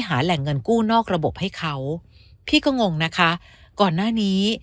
หาแหล่งเงินกู้นอกระบบให้เขาพี่ก็งงนะคะก่อนหน้านี้